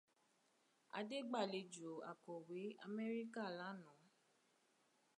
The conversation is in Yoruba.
Adé gbàlejò akọ̀wé Amẹ́ríkà lánàá.